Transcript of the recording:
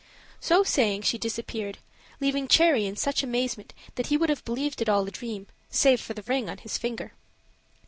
So saying, she disappeared, leaving Cherry in such amazement that he would have believed it all a dream, save for the ring on his finger.